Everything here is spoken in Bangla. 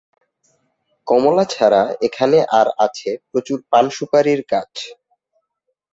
কমলা ছাড়া এখানে আর আছে প্রচুর পান-সুপারির গাছ।